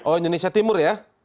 oh indonesia timur ya